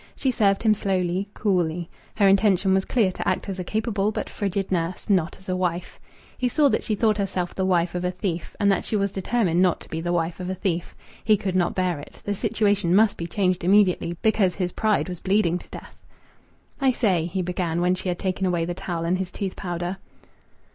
She served him slowly, coolly. Her intention was clear to act as a capable but frigid nurse not as a wife. He saw that she thought herself the wife of a thief, and that she was determined not to be the wife of a thief. He could not bear it. The situation must be changed immediately, because his pride was bleeding to death. "I say," he began, when she had taken away the towel and his tooth powder.